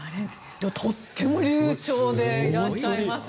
とても流ちょうでいらっしゃいます。